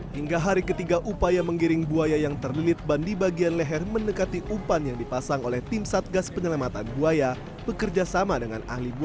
lomban itu tidak mau menyentuh umpan dan hanya berputar putar di sekitar muara